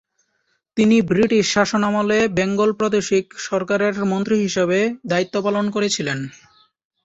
তিনি ব্রিটিশ শাসনামলে বেঙ্গল প্রাদেশিক সরকারের মন্ত্রী হিসেবে দায়িত্ব পালন করেছিলেন।